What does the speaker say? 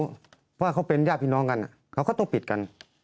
เพราะว่าเขาเป็นญาติพี่น้องกันเขาก็ต้องปิดกัน